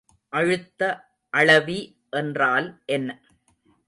அழுத்த அளவி என்றால் என்ன?